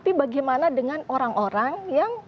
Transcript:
karena dengan orang orang yang